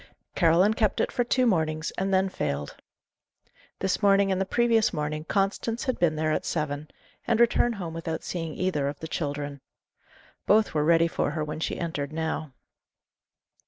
Caroline kept it for two mornings and then failed. This morning and the previous morning Constance had been there at seven, and returned home without seeing either of the children. Both were ready for her when she entered now.